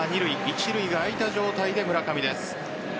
一塁が空いた状態で村上です。